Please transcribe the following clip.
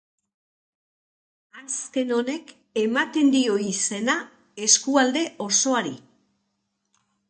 Azken honek ematen dio izena eskualde osoari.